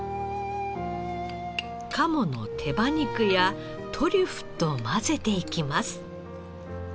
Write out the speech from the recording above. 鴨の手羽肉やトリュフと混ぜていきます。